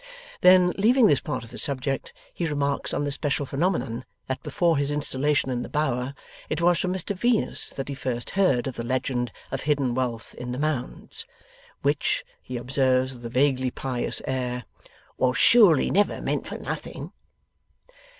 Then, leaving this part of the subject, he remarks on the special phenomenon that before his installation in the Bower, it was from Mr Venus that he first heard of the legend of hidden wealth in the Mounds: 'which', he observes with a vaguely pious air, 'was surely never meant for nothing.